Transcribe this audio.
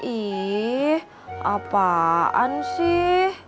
ih apaan sih